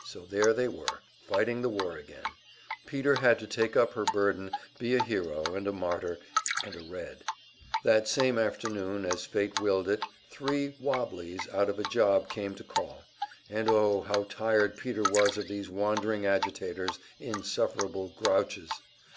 So there they were, fighting the war again; Peter had to take up her burden, be a hero, and a martyr, and a "Red." That same afternoon, as fate willed it, three "wobblies" out of a job came to call; and oh, how tired Peter was of these wandering agitators insufferable "grouches!"